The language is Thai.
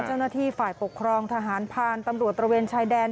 เจ้าหน้าที่ฝ่ายปกครองทหารผ่านตำรวจตระเวนชายแดน